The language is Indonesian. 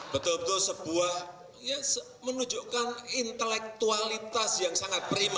betul betul sebuah ya menunjukkan intelektualitas yang sangat prima